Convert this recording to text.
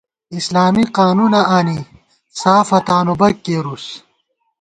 اسلامی قانُونہ آنی سافہ تانُو بَک کېرُوس